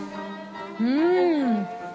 うん。